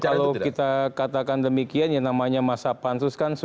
kalau kita katakan demikian yang namanya masa pansus kan sudah betul betul secara terakhir